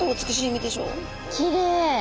きれい！